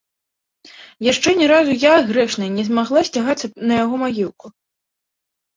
Яшчэ ж ні разу я, грэшная, не змагла сцягацца на яго магілку.